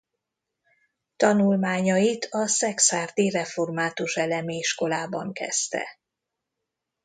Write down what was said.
Tanulmányait a szekszárdi református elemi iskolában kezdte.